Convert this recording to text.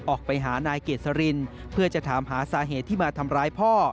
ออกไปหานายเกษรินเพื่อจะถามหาสาเหตุที่มาทำร้ายพ่อ